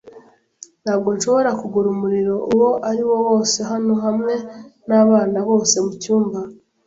Ntabwo nshobora gukora umurimo uwo ariwo wose hano hamwe nabana bose mucyumba.